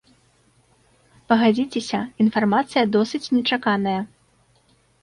Пагадзіцеся, інфармацыя досыць нечаканая.